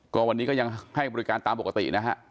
ก็วันนี้ก็ยังให้บริการตามปกตินะฮะ